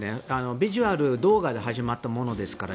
ビジュアル、動画で始まったものですから。